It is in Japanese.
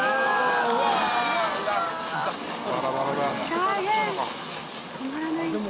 止まらない。